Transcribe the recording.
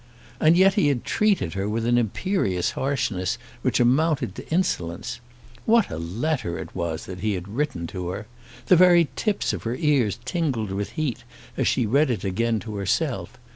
And yet he had treated her with an imperious harshness which amounted to insolence. What a letter it was that he had written to her! The very tips of her ears tingled with heat as she read it again to herself.